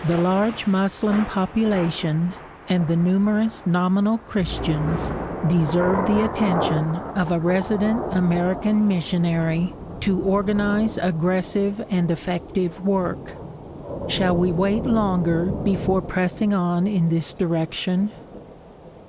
The large Moslem population and the numerous nominal Christians deserve the attention of a resident American missionary to organize aggressive and effective work. Shall we wait longer before pressing on in this direction?